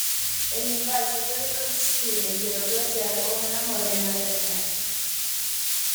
El embalse puede consistir en hielo glaciar o una morrena terminal.